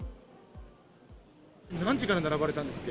何時から並ばれたんですっけ？